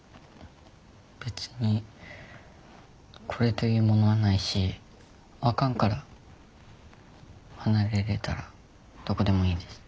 別にこれというものはないし阿寒から離れれたらどこでもいいです。